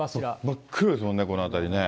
真っ暗ですもんね、この辺りね。